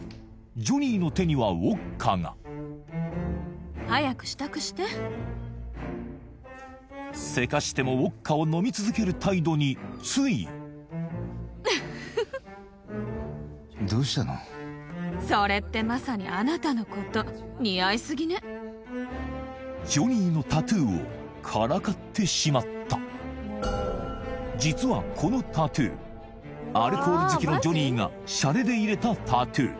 ジョニーの手にはウォッカがせかしてもウォッカを飲み続ける態度についジョニーのタトゥーをからかってしまった実はこのタトゥーアルコール好きのジョニーがシャレで入れたタトゥー